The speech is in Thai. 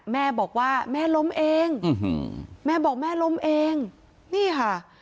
แม่บอกว่าแม่ล้มเองแม่บอกแม่ล้มเองนี่ค่ะ